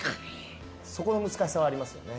そこの難しさはありますね。